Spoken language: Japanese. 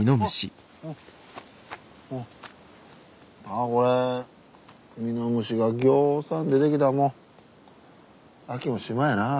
ああこれミノムシがぎょうさん出てきたら秋もしまいやなあ。